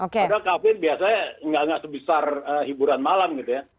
karena kafe biasanya nggak sebesar hiburan malam gitu ya